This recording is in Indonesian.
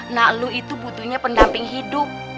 nak lo itu butuhnya pendamping hidup